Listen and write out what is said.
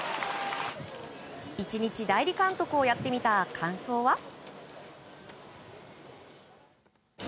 １日代理監督をやってみた感想は。